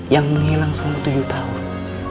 yang menghilang selama tujuh tahun